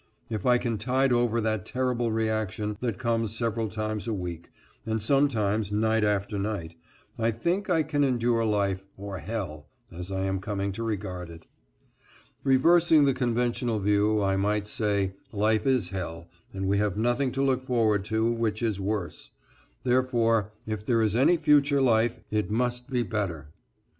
If I can tide over that terrible reaction that comes several times a week, and sometimes night after night, I think I can endure life, or hell, as I am coming to regard it. Reversing the conventional view I might say, "Life is hell, and we have nothing to look forward to which is worse, therefore if there is any future life, it must be better."